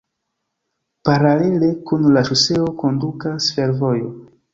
Paralele kun la ŝoseo kondukas fervojo.